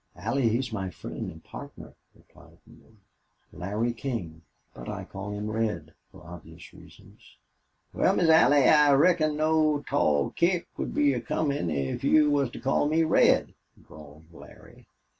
"Allie, he's my friend and partner," replied Neale. "Larry King. But I call him Red for obvious reasons." "Wal, Miss Allie, I reckon no tall kick would be a comin' if you was to call me Red," drawled Larry.